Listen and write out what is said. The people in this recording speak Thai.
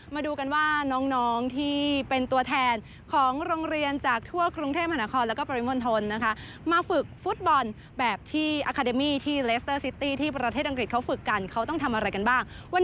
มาดูกันว่าน้องที่เป็นตัวแทนของโรงเรียนจากทั่วกรุงเทพฯหนะครแล้วก็ปริมวลทนนะคะ